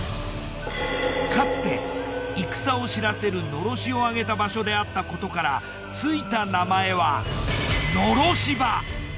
かつて戦を知らせる狼煙をあげた場所であったことからついた名前は。